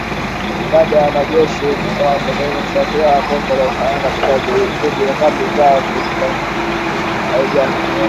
Idadi ya wanajeshi wa Demokrasia ya Kongo waliouawa katika shambulizi dhidi ya kambi zao haijajulikana